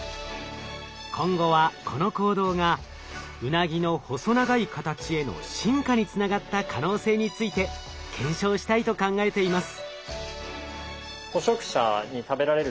今後はこの行動がウナギの細長い形への進化につながった可能性について検証したいと考えています。